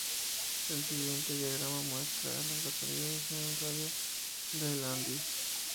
El siguiente diagrama muestra a las localidades en un radio de de Landis.